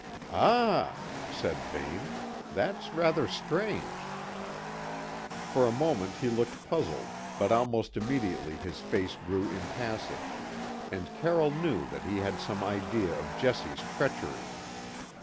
"Ah!" said Vane, "that's rather strange." For a moment he looked puzzled, but almost immediately his face grew impassive, and Carroll knew that he had some idea of Jessie's treachery.